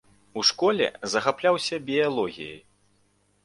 У школе захапляўся біялогіяй.